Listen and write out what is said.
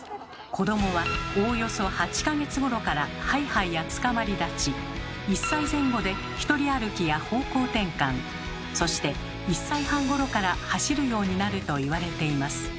子どもはおおよそ８か月ごろからハイハイやつかまり立ち１歳前後でひとり歩きや方向転換そして１歳半ごろから走るようになると言われています。